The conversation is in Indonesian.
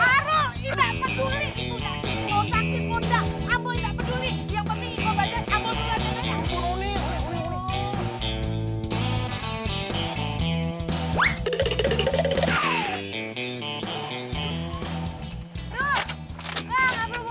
harul enggak peduli